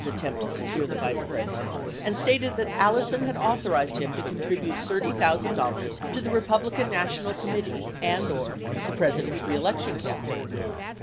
482 attempt to secure the Vice President and stated that Allison had au thorized him to contribute $30,000 to the Republican National Com mittee and/or the President's reelection campaign.